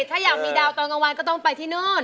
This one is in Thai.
ถ้าอยากมีดาวตอนกลางวันก็ต้องไปที่โน่น